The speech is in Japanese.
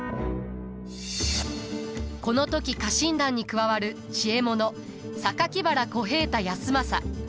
この時家臣団に加わる知恵者原小平太康政。